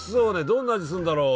どんな味するんだろう？